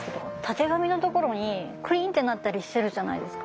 たてがみのところにクリンってなったりしてるじゃないですか。